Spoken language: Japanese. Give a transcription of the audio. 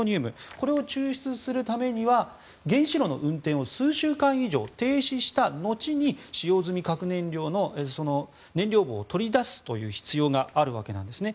これを抽出するためには原子炉の運転を数週間以上停止した後に使用済み燃料棒を取り出すという必要があるわけですね。